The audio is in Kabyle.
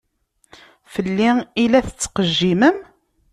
Fell-i i la tettqejjimem?